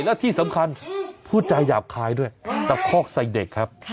และที่สำคัญพูดจาหยาบคายด้วยตะคอกใส่เด็กครับ